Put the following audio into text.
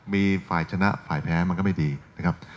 มีฝ่ายชนะฝ่ายแพ้มันก็ไม่ดีนะครับ